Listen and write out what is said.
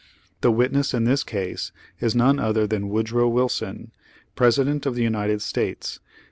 The witness in this case is none other than Woodrow Wilson, President of the United States.